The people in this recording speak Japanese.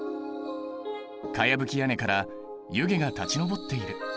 かやぶき屋根から湯気が立ち上っている。